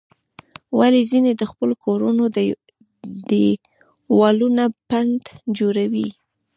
ولې ځینې د خپلو کورونو دیوالونه پنډ جوړوي؟